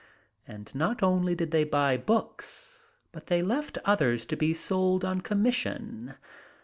And not only did they buy books, but they left others to be sold on commission.